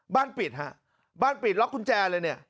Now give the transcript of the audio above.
ปิดฮะบ้านปิดล็อกกุญแจเลยเนี่ย